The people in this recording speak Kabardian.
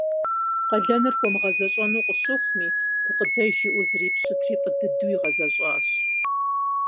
Къалэныр хуэмыгъэзэщӀэну къыщыхъуми, гукъыдэж иӀэу зрипщытри фӏы дыдэу игъэзэщӏащ.